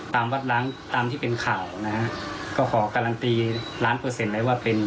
วัดล้างตามที่เป็นข่าวนะฮะก็ขอการันตีล้านเปอร์เซ็นต์เลยว่าเป็น